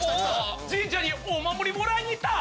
神社にお守りもらいに行った！